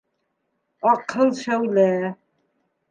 Аҡһыл шәүлә.